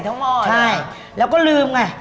เราก็ลืมไง